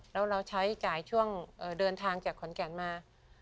แล้วเราใช้จ่ายช่วงเดินทางจากขอนแก่นมา